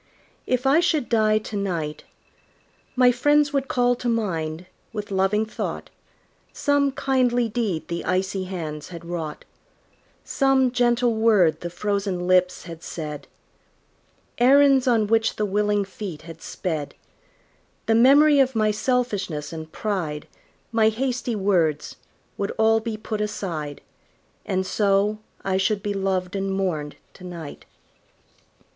If I should die to night, My friends would call to mind, with loving thought, Some kindly deed the icy hands had wrought; Some gentle word the frozen lips had said; Errands on which the willing feet had sped; The memory of my selfishness and pride, My hasty words, would all be put aside, And so I should be loved and mourned to night.